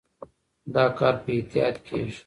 دا کار په احتیاط کېږي.